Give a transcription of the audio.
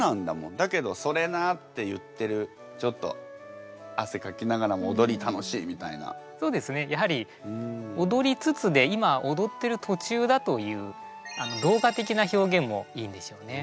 だけど「それな」って言ってるちょっとそうですねやはり「踊りつつ」で今踊ってる途中だという動画的な表現もいいんでしょうね。